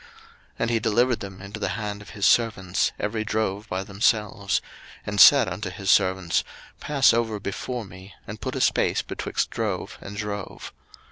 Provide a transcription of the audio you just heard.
01:032:016 And he delivered them into the hand of his servants, every drove by themselves; and said unto his servants, Pass over before me, and put a space betwixt drove and drove.